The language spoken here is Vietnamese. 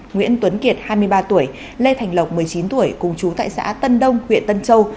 nguyễn tuấn kiệt hai mươi ba tuổi lê thành lộc một mươi chín tuổi cùng chú tại xã tân đông huyện tân châu